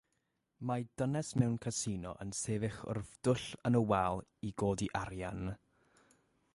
Mae dynes mewn casino yn sefyll wrth dwll yn y wal i godi arian.